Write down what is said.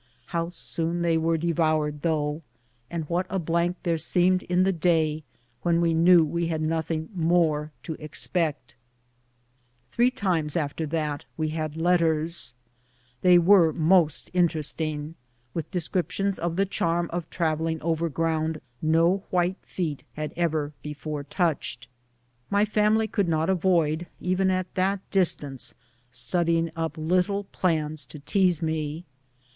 How soon they THE SUMMER OF THE BLACK HILLS EXPEDITION. 191 were devoured, though, and what a blank there seemed in the day when we knew that we had nothing more to expect I Three times after that we had lettei s. They were most interesting, with descriptions of tlie charm of travelling over ground no white feet had ever before touched. My family could not avoid, even at that distance, studying up little plans to tease me.